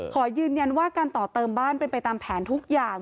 ขอยืนยันว่าการต่อเติมบ้านเป็นไปตามแผนทุกอย่าง